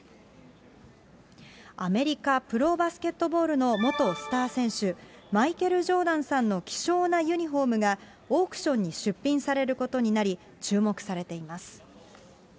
アメリカプロバスケットボールの元スター選手、マイケル・ジョーダンさんの希少なユニホームがオークションに出品されることになり、注目されています。